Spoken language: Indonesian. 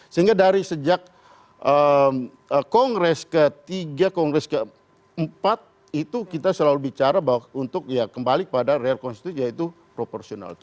sehingga dari sejak kongres ketiga kongres keempat itu kita selalu bicara bahwa untuk ya kembali pada real konstitusi yaitu proporsional